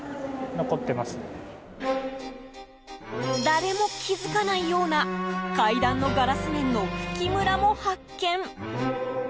誰も気づかないような階段のガラス面の拭きムラも発見。